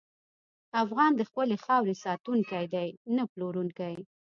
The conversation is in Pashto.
افغان د خپلې خاورې ساتونکی دی، نه پلورونکی.